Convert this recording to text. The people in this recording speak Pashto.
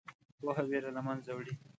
پوهه ویره له منځه وړي.